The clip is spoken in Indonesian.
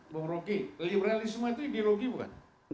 bapak mroki liberalisme itu ideologi bukan